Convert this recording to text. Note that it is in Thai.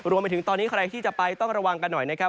รวมไปถึงตอนนี้ใครที่จะไปต้องระวังกันหน่อยนะครับ